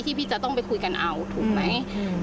พี่จะต้องไปคุยกันเอาถูกไหม